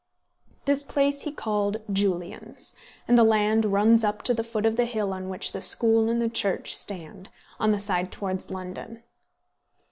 This place he called Julians, and the land runs up to the foot of the hill on which the school and church stand, on the side towards London.